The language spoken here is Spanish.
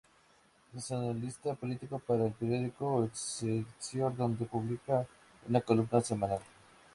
Es analista político para el periódico Excelsior, donde publica una columna semanal.